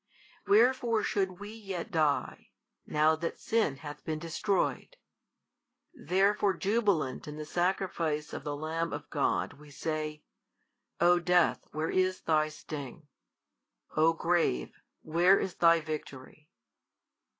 wherefore should we yet die, now that sin hath been destroyed? therefore jubilant in the Sacrifice of the Lamb of God we say: O death, where is thy sting? O grave, where is thy victory?